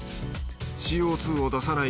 ＣＯ２を出さない